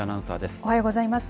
おはようございます。